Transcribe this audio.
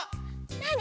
なに？